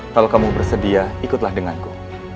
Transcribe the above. kalau kamu bersedia ikutlah denganku